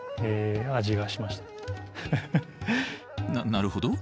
ななるほど。